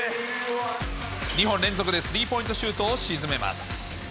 ２本連続でスリーポイントシュートを沈めます。